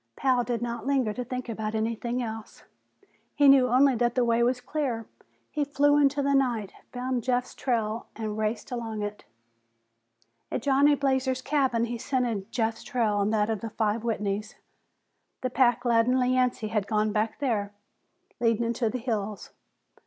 Pal did not linger to think about anything else; he knew only that the way was clear. He flew into the night, found Jeff's trail and raced along it. At Johnny Blazer's cabin, he scented Jeff's trail and that of five Whitneys the pack laden Yancey had gone back there leading into the hills.